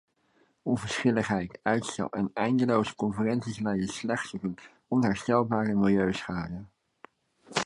Onverschilligheid, uitstel en eindeloze conferenties leiden slechts tot onherstelbare milieuschade.